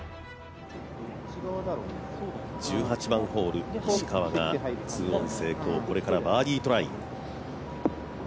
１８番ホール、石川が２オン成功、これからバーディートライ。